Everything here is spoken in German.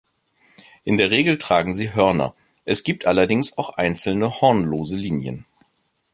In der Regel tragen sie Hörner, es gibt allerdings auch einzelne hornlose Linien.